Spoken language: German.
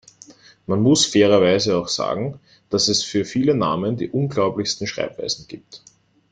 Man muss fairerweise auch sagen, dass es für viele Namen die unglaublichsten Schreibweisen gibt.